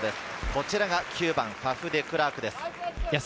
こちらは９番のファフ・デクラークです。